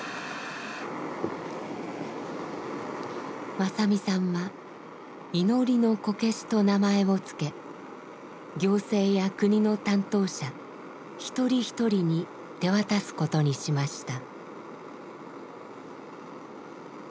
正実さんは「祈りのこけし」と名前を付け行政や国の担当者一人一人に手渡すことにしました。